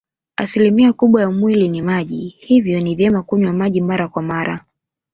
Asilimia kubwa ya mwili ni maji hivyo ni vyema kunywa maji mara kwa mara